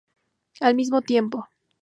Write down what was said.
Al mismo tiempo.